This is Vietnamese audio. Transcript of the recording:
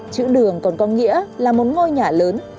chữ đường còn có nghĩa là một ngôi nhà lớn